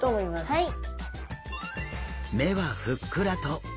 はい。